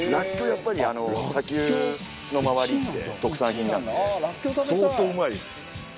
やっぱり砂丘の周りって特産品なので。